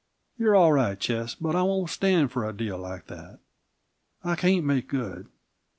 You're all right, Ches, but I won't stand for a deal like that. I can't make good."